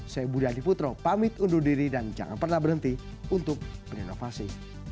saya budi adiputro pamit undur diri dan jangan pernah berhenti untuk berinovasi